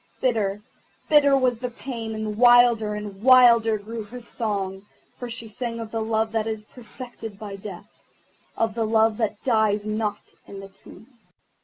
Bitter, bitter was the pain, and wilder and wilder grew her song, for she sang of the Love that is perfected by Death, of the Love that dies not in the tomb.